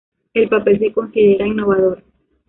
El papel se considera innovador.